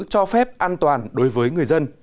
cho phép an toàn đối với người dân